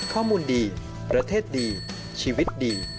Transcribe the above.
ข้อมูลดีประเทศดีชีวิตดี